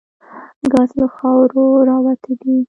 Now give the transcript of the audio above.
ګاز له خاورو راوتي دي.